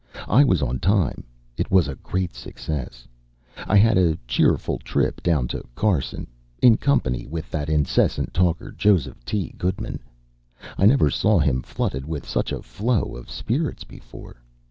I was on time. It was a great success. I had a cheerful trip down to Carson, in company with that incessant talker, Joseph T. Goodman. I never saw him flooded with such a flow of spirits before.